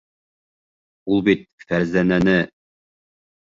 Ул бит Фәрзәнәне...